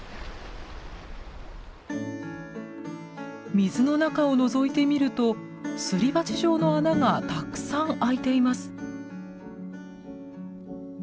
水の中をのぞいてみるとすり鉢状の穴がたくさん開いています。